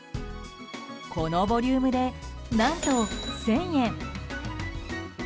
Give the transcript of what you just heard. このボリュームで何と１０００円。